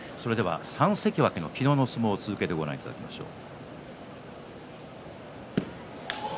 ３関脇の昨日の相撲を続けてご覧いただきましょう。